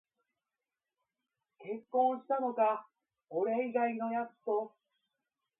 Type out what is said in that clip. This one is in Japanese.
結婚したのか、俺以外のやつと